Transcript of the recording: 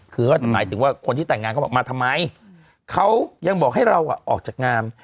คือก็หมายถึงว่าคนที่แต่งงานเขาบอกมาทำไมเขายังบอกให้เราออกจากงาน